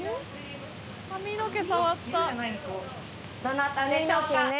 どなたでしょうか？